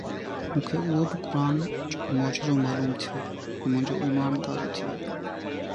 مون کي اهو به قرآن جو معجزو معلوم ٿيو ۽ منهنجو ايمان تازو ٿي ويو